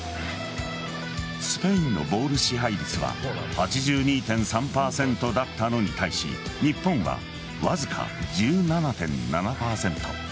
スペインのボール支配率は８２．３％だったのに対し日本はわずか１７．７％。